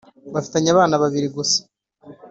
bafitanye abana babiri gusa